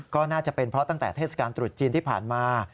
ก็น่าจะเป็นเพราะตั้งแต่เทศกาลตรุษจีนที่ผ่านมา